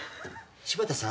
柴田さん。